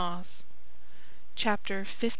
Chapter LIX.